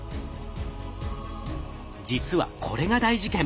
実はこれが大事件。